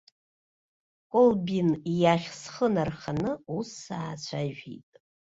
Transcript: Колбин иахь схы нарханы ус саацәажәеит.